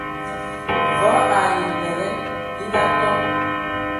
Mvɔ ai nlɛdɛn bi ngatoŋ.